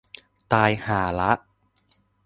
ตายห่าละ